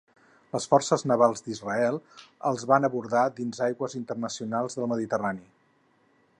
Les forces navals d'Israel els van abordar dins aigües internacionals del Mediterrani.